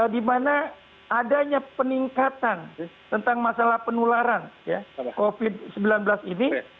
di mana adanya peningkatan tentang masalah penularan covid sembilan belas ini